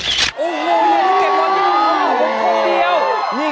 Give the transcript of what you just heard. โอ้โฮอยากจะเก็บรอยยิ้มของเขาไว้กับผมคนเดียว